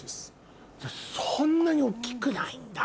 そんなに大っきくないんだ。